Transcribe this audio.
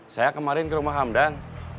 saya kemarin ke rumah hamdan